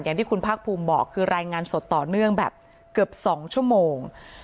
อย่างที่คุณภาคภูมิบอกคือรายงานสดต่อเนื่องแบบเกือบ๒ชั่วโมง